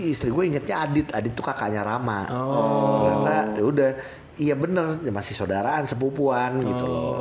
istri gue ingetnya adit adit itu kakaknya rama ternyata yaudah iya bener masih saudaraan sepupuan gitu loh